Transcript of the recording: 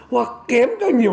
hoa kém cao nhiều